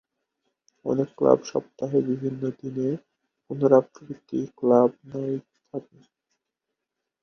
অনেক ক্লাব সপ্তাহের বিভিন্ন দিনে পুনরাবৃত্তি "ক্লাব নাইট" থাকে।